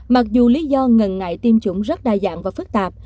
mặc dù lý do ngần ngại tiêm chủng rất đa dạng và phức tạp